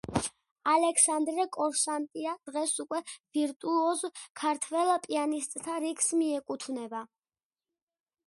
ალექსანდრე კორსანტია დღეს უკვე, ვირტუოზ ქართველ პიანისტთა რიგს მიეკუთვნება.